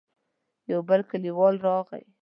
يو بل کليوال راغی.